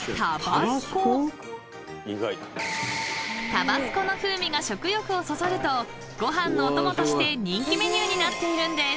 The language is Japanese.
［タバスコの風味が食欲をそそるとご飯のお供として人気メニューになっているんです］